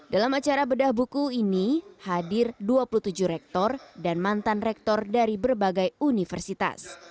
dalam acara bedah buku ini hadir dua puluh tujuh rektor dan mantan rektor dari berbagai universitas